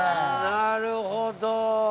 なるほど。